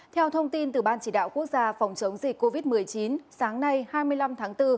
theo thông tin từ ban chỉ đạo quốc gia phòng chống dịch covid một mươi chín sáng nay hai mươi năm tháng bốn